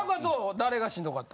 誰がしんどかった？